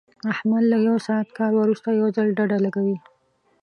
احمد له یو ساعت کار ورسته یو ځل ډډه لګوي.